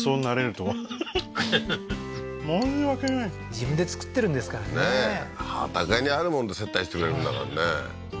自分で作ってるんですからねねえ畑にあるもんで接待してくれるんだからね